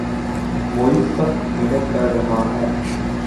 معیز سخت محنت کر رہا ہے